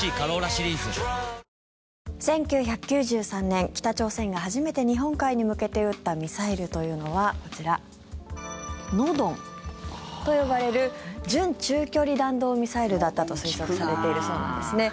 １９９３年、北朝鮮が初めて日本海に向けて撃ったミサイルというのはこちら、ノドンと呼ばれる準中距離弾道ミサイルだったと推測されているそうなんですね。